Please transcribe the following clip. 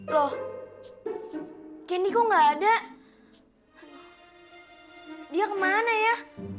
loh candi kok nggak ada dia kemana ya